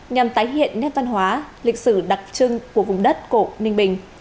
nhằm tái hiện nét văn hóa lịch sử đặc trưng của vùng đất cổ ninh bình